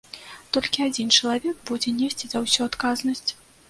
Толькі адзін чалавек будзе несці за ўсё адказнасць.